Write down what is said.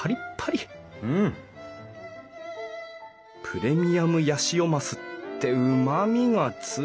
プレミアムヤシオマスってうまみが強い。